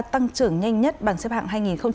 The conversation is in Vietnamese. tăng trưởng nhanh nhất bằng xếp hạng hai nghìn hai mươi